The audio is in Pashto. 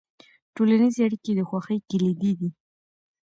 ټولنیزې اړیکې د خوښۍ کلیدي دي.